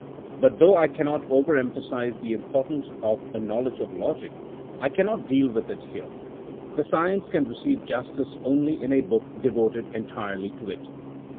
But though I cannot overemphasize the importance of a knowledge of logic, I cannot deal with it here. The science can receive justice only in a book devoted entirely to it.